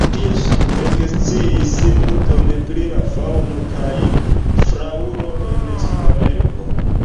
Tie ŝi eksciis multon pri la faŭno kaj flaŭro en Sudameriko.